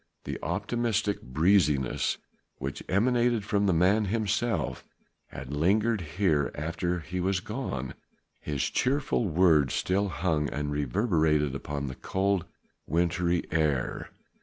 The optimistic breeziness which emanated from the man himself had lingered here after he was gone. His cheerful words still hung and reverberated upon the cold, wintry air.